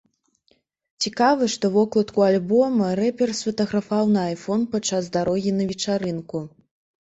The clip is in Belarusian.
Цікава, што вокладку альбома рэпер сфатаграфаваў на айфон падчас дарогі на вечарынку.